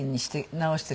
直して。